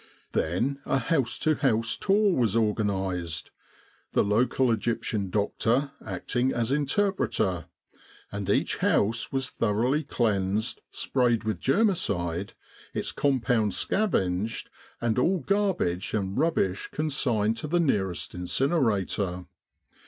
Then a house to house tour was organised, the local Egyptian doctor acting as interpreter ; and each house was thoroughly cleansed, sprayed with germicide, its compound scavenged, and all garbage and rubbish consigned to the nearest incinerator.